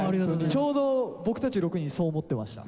ちょうど僕たち６人そう思ってました。